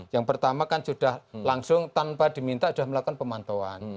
yang pertama kan sudah langsung tanpa diminta sudah melakukan pemantauan